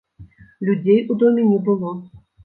Людзей у доме не было.